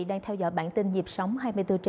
đang theo dõi bản tin dịp sóng hai mươi bốn h bảy